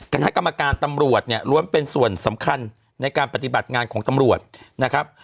คณะกรรมการตำรวจเนี่ยล้วนเป็นส่วนสำคัญในการปฏิบัติงานของตำรวจนะครับ